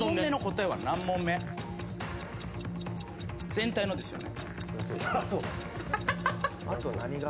全体のですよね。